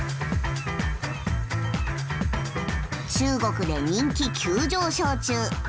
中国で人気急上昇中！